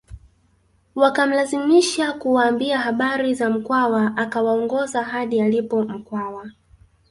Wakamlazimisha kuwaambia habari za Mkwawa akawaongoza hadi alipo Mkwawa